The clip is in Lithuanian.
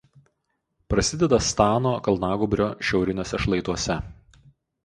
Prasideda Stano kalnagūbrio šiauriniuose šlaituose.